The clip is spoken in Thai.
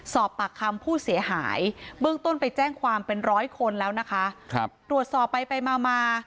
สอบปากคำผู้เสียหายเบื้องต้นไปแจ้งความเป็น๑๐๐คนแล้วตรวจสอบไปมา